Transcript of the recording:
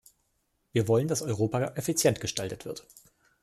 Wir wollen, dass Europa effizient gestaltet wird.